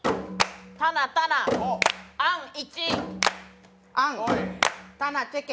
たなたな、あん１。あんたなチェケ！